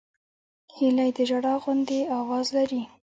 هیلۍ د ژړا غوندې آواز لري